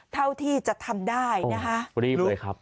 เท่าที่จะทำได้นะฮะ